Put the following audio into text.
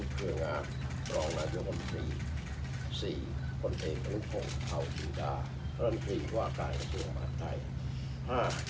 ๔คนเองกำลังคงเผ่าจุดารันทรีย์ว่าการกระทรวงภัณฑ์ไทย